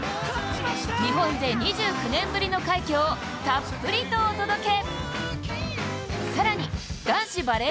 日本勢２９年ぶりの快挙をたっぷりとお届け。